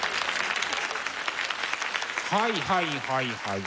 はいはいはいはい。